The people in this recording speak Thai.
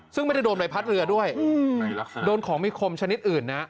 ซึ่งไม่ได้โดนใบพัดเรือด้วยโดนของมีคมชนิดอื่นนะ